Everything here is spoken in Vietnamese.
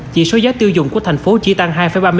chỉ số giá tiêu dùng của thành phố chỉ tăng hai ba mươi tám